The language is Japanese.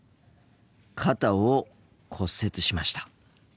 肩を骨折しました。